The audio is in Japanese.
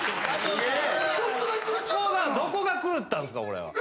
どこが狂ったんすか。